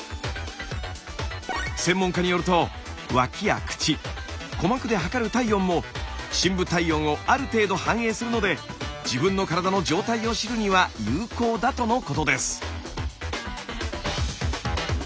専門家によると脇や口鼓膜で測る体温も深部体温をある程度反映するので自分の体の状態を知るには有効だとのことです。